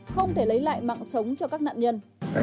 không thể lấy lại mạng sống cho các nạn nhân